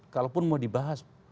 kalaupun mau dibahas